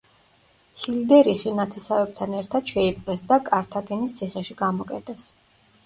ჰილდერიხი ნათესავებთან ერთად შეიპყრეს და კართაგენის ციხეში გამოკეტეს.